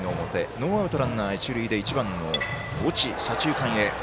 ノーアウト、ランナー、一塁で１番の越智左中間へ。